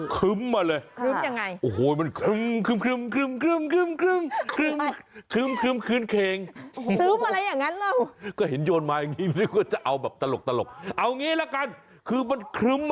คึ้มมาเลยโอ้โฮมันคึ้ม